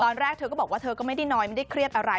ตอนแรกเธอก็บอกว่าเธอก็ไม่ได้น้อยไม่ได้เครียดอะไร